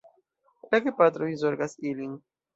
La gepatroj zorgas ilin.